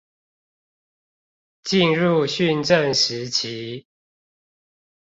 進入訓政時期